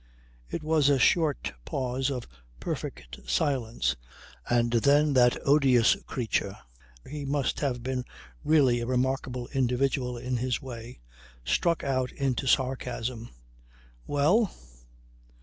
It was a short pause of perfect silence, and then that "odious creature" (he must have been really a remarkable individual in his way) struck out into sarcasm. "Well?